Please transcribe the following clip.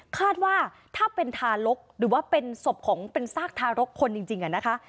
คาดว่าถ้าเป็นทารกหรือว่าเป็นศพของเป็นซากทารกคนจริงนะคะ